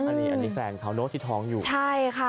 อันนี้แฝงขาวนกตวิทย์ท้องอยู่ใช่ค่ะ